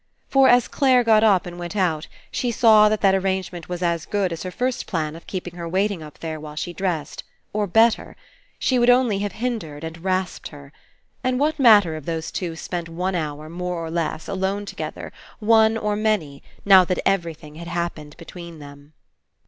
For as Clare got up and went out, she saw that that arrangement was as good as her first plan of keeping her waiting up there while she dressed — or better. She would only have 198 FINALE hindered and rasped her. And what matter if those two spent one hour, more or less, alone together, one or many, now that everything had happened between them?